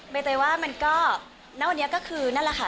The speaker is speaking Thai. ใบเตยว่ามันก็ณวันนี้ก็คือนั่นแหละค่ะ